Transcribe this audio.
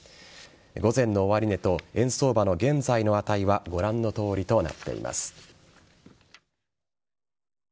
午前の終値と円相場の現在の値はご覧のとおりとなっています。